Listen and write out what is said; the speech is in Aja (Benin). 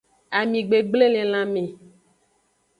Ami gbegble le lanme.